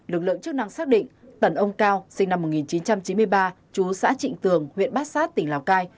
lực lượng chức năng xác định tần ông cao sinh năm một nghìn chín trăm chín mươi ba chú xã trịnh tường huyện bát sát tỉnh lào cai